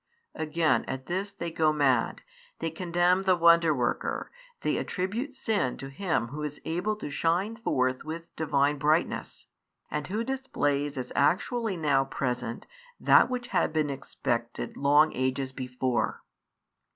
Again at this they go mad, they condemn the Wonder worker, they attribute sin to Him Who is able to shine forth with Divine brightness, and Who displays as actually now present that which had been expected long ages before.